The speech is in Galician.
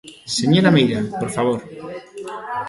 Señora Meira, por favor.